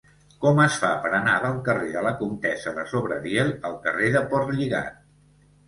Com es fa per anar del carrer de la Comtessa de Sobradiel al carrer de Portlligat?